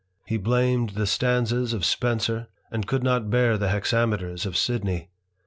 He blamed the stanzas of Spenser, and could not bear the hexameters of Sidney.